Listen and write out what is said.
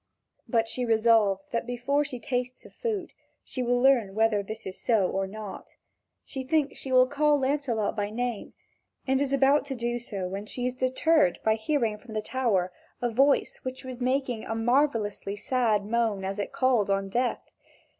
But she resolves that before she tastes of food, she will learn whether this is so or not. She thinks she will call Lancelot by name, and is about to do so when she is deterred by hearing from the tower a voice which was making a marvellously sad moan as it called on death.